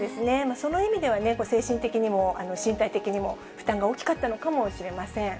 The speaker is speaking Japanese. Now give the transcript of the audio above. その意味では、精神的にも身体的にも、負担が大きかったのかもしれません。